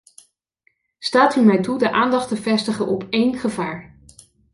Staat u mij toe de aandacht te vestigen op één gevaar.